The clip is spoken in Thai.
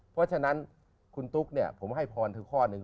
เพราะฉะนั้นคุณตุ๊กผมให้พรทุกข้อหนึ่ง